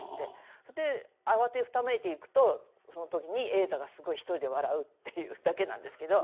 それで慌てふためいて行くとその時にえいざがすごい一人で笑うっていうだけなんですけど。